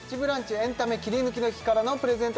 エンタメキリヌキの日からのプレゼント